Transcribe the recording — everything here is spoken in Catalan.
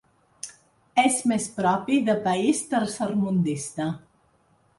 És més propi de país tercermundista.